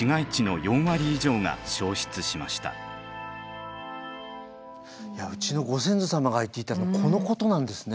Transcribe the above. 東京はうちのご先祖様が言っていたのはこのことなんですね。